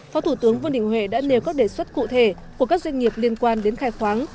phó thủ tướng vương đình huệ đã nêu các đề xuất cụ thể của các doanh nghiệp liên quan đến khai khoáng